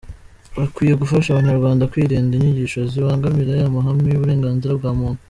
Bakwiye gufasha abanyarwanda kwirinda inyigisho zibangamira amahame y’uburenganzira bwa muntu.